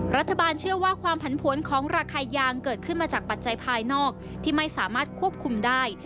รัฐบาลเชื่อว่าความผันผวนของราคายางเกิดขึ้นมาจากปัจจัยภายนอกที่ไม่สามารถควบคุมได้